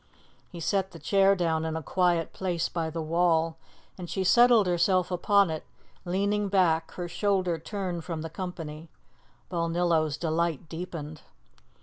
He set the chair down in a quiet place by the wall, and she settled herself upon it, leaning back, her shoulder turned from the company. Balnillo's delight deepened.